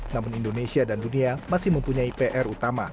namun indonesia dan dunia masih mempunyai pr utama